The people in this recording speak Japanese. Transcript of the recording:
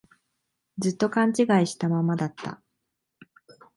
ずっと勘違いしたままだった